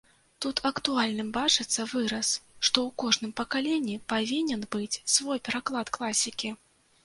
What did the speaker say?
Тут актуальным бачыцца выраз, што ў кожным пакаленні павінен быць свой пераклад класікі.